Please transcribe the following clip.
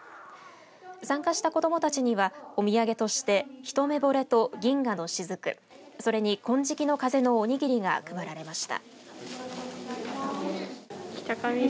参加した子どもたちにはお土産としてひとめぼれと銀河のしずくそれに金色の風のおにぎりが配られました。